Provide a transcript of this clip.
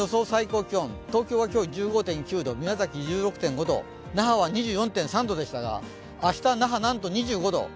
最高気温、東京が今日１５．９度、宮崎１６．５度、那覇は２４．３度でしたが明日、那覇なんと２５度。